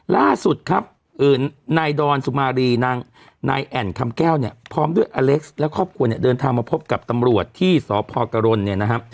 ล่าสุดครับนายดอนสุมารีนางนายแอ่นคำแก้วเนี่ยพร้อมด้วยอเล็กซ์และครอบครัวเนี่ยเดินทางมาพบกับตำรวจที่สพกรณเนี่ยนะครับ